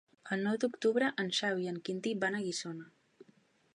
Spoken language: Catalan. El nou d'octubre en Xavi i en Quintí van a Guissona.